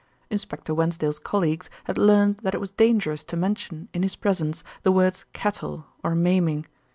Inspector Wensdale's colleagues had learned that it was dangerous to mention in his presence the words "cattle" or "maiming."